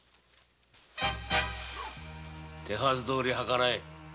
手はずどおりはからえ。